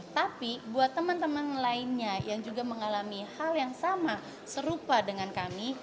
tapi buat teman teman lainnya yang juga mengalami hal yang sama serupa dengan kami